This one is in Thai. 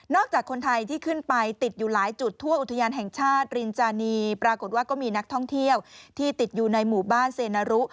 จากคนไทยที่ขึ้นไปติดอยู่หลายจุดทั่วอุทยานแห่งชาติรินจานีปรากฏว่าก็มีนักท่องเที่ยวที่ติดอยู่ในหมู่บ้านเซนารุ